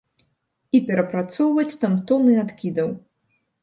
І перапрацоўваць там тоны адкідаў.